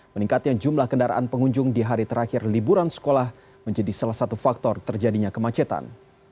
meningkatnya jumlah kendaraan pengunjung di hari terakhir liburan sekolah menjadi salah satu faktor terjadinya kemacetan